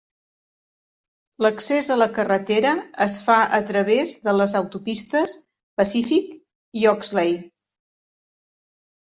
L'accés a la carretera es fa a través de les autopistes Pacific i Oxley.